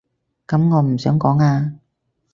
噉我唔想講啊